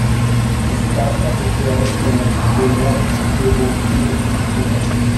Está asociado con la Escuela de Boston de Pintura.